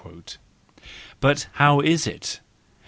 But how is it?